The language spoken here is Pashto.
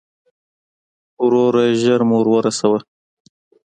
وروره، ژر مو ور ورسوه.